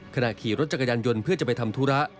ขณะขี่รถจักรยานยนต์เพื่อจะไปทำธุระ